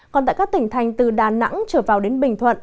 còn tại các tỉnh thành từ đà nẵng trở vào đến bình thuận